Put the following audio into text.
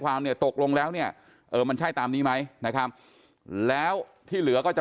เนี่ยตกลงแล้วเนี่ยเออมันใช่ตามนี้ไหมนะครับแล้วที่เหลือก็จะ